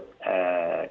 kita sudah tahu